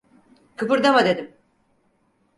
Kıpırdama dedim!